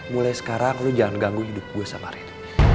mulai sekarang lo jangan ganggu hidup gue sama rin